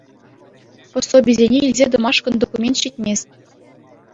Пособисене илсе тӑмашкӑн документ ҫитмест.